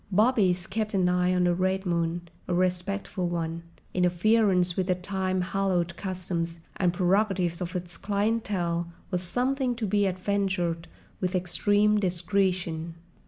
Bobbies kept an eye on the Red Moon, a respectful one: interference with the time hallowed customs and prerogatives of its clientèle was something to be adventured with extreme discretion.